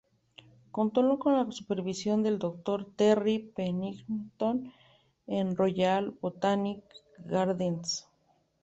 Contó con la supervisión de Dr. Terry Pennington, del Royal Botanic Gardens.